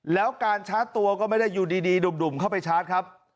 แล้วการชาร์จตัวก็ไม่ได้อยู่ดีดุ่มเข้าไปชาร์จครับ